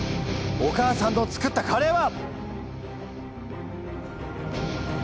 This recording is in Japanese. お母さんの作ったカレーは！